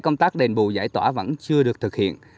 công tác đền bù giải tỏa vẫn chưa được thực hiện